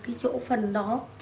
cái chỗ phần đó